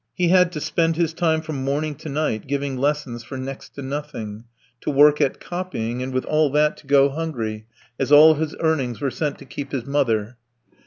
He had to spend his time from morning to night giving lessons for next to nothing, to work at copying, and with all that to go hungry, as all his earnings were sent to keep his mother.